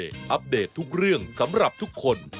แซ่บเดี๋ยวกลับมาแล้วให้ดู